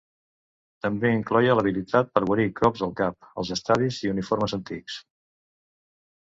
També incloïa l'habilitat per guarir cops al cap, els estadis i uniformes antics.